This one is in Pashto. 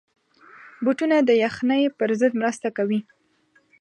بوټونه د یخنۍ پر ضد مرسته کوي.